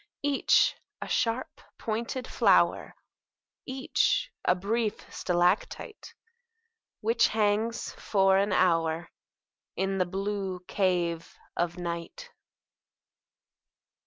Each a sharp pointed flower, Each a brief stalactite Which hangs for an hour In the blue cave of night.